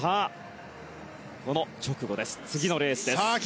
この直後、次のレースです。